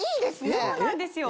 そうなんですよ